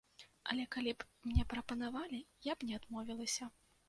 Але калі б мне прапанавалі, я б не адмовілася.